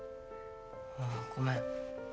あぁごめん。